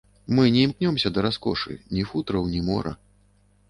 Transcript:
Мы не імкнёмся да раскошы, ні футраў, ні мора.